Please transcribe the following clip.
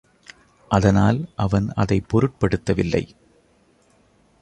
அதனால் அவன் அதைப் பொருட்படுத்தவில்லை.